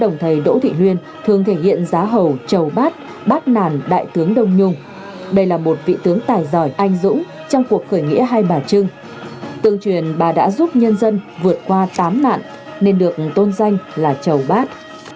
đồng thời đỗ thị nguyên thường thể hiện giá hầu trầu bát bát nàn đại tướng đông nhung đây là một vị tướng tài giỏi anh dũng trong cuộc khởi nghĩa hai bà trưng tương truyền bà đã giúp nhân dân vượt qua tám nạn nên được tôn vinh là chầu bát